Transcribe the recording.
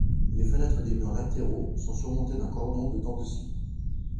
Les fenêtres des murs latéraux sont surmontées d'un cordon de dents de scie.